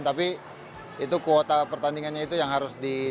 tapi itu kuota pertandingannya itu yang harus di